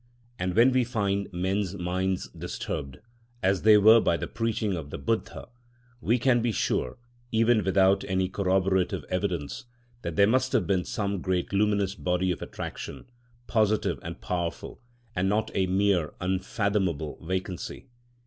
And when we find men's minds disturbed, as they were by the preaching of the Buddha, we can be sure, even without any corroborative evidence, that there must have been some great luminous body of attraction, positive and powerful, and not a mere unfathomable vacancy.